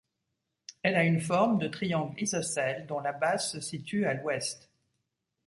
Elle a une forme de triangle isocèle, dont la base se situe à l'ouest.